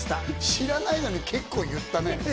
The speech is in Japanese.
知らないのに結構言ったね。